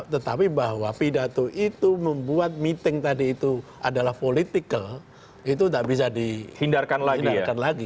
tetapi bahwa pidato itu membuat meeting tadi itu adalah political itu tak bisa dihindarkan lagi